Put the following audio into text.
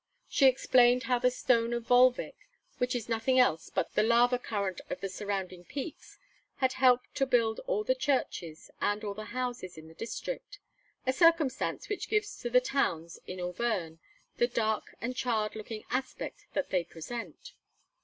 She explained how the stone of Volvic, which is nothing else but the lava current of the surrounding peaks, had helped to build all the churches and all the houses in the district a circumstance which gives to the towns in Auvergne the dark and charred looking aspect that they present.